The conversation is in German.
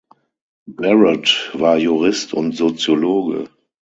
Barrot war Jurist und Soziologe.